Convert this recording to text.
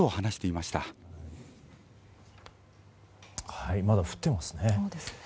まだ降っていますね。